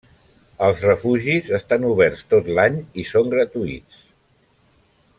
Els refugis estan oberts tot l'any i són gratuïts.